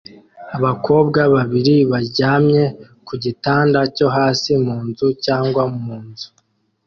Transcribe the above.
Abakobwa babiri baryamye ku gitanda cyo hasi mu nzu cyangwa mu nzu